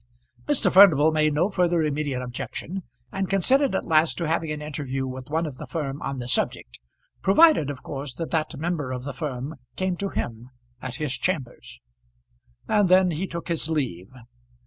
Mr. Furnival made no further immediate objection, and consented at last to having an interview with one of the firm on the subject, provided, of course, that that member of the firm came to him at his chambers. And then he took his leave.